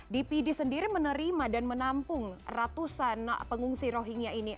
dpd sendiri menerima dan menampung ratusan pengungsi rohingya ini